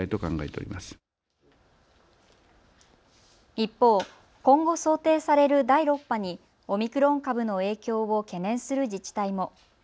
一方、今後想定される第６波にオミクロン株の影響を懸念する自治体も。